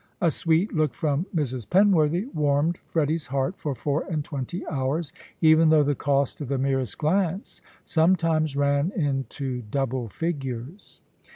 A sweet look from Mrs. Penworthy warmed Freddy's heart for four and twenty hours, even though the cost of the merest glance sometimes ran into double figures.